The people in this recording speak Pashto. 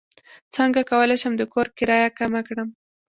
څنګه کولی شم د کور کرایه کمه کړم